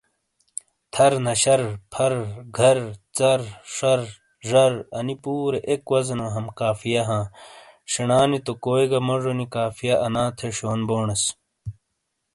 تھَرنَشَر، پھَر گھَر، ژَر، شَر، زَر، اَنی پُورے اک وَزنو ہم قافیہ ہاں شنا نی تو کوئی گا موجونی قافیہ ان تھے شیون بونیس۔